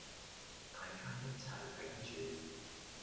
大家一齊頂住